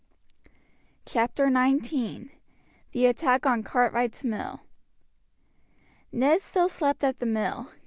CHAPTER XIX: THE ATTACK ON CARTWRIGHT'S MILL Ned still slept at the mill.